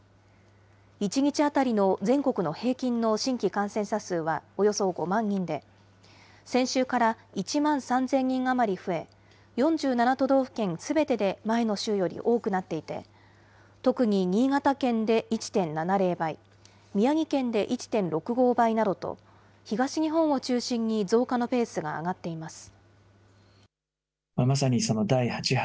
１日当たりの全国の平均の新規感染者数はおよそ５万人で、先週から１万３０００人余り増え、４７都道府県すべてで前の週より多くなっていて、特に新潟県で１．７０倍、宮城県で１．６５倍などと、東日本を中心に増加のペースが上がっています。